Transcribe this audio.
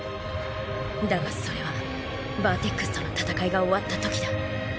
だがそれはバーテックスとの戦いが終わったときだ。